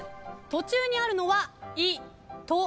途中にあるのは「い」「と」